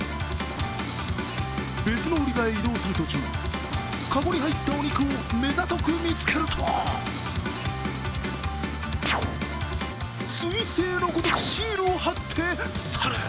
別の売り場へ移動する途中、籠に入ったお肉を目ざとく見つけると、すい星のごとくシールを貼って去る。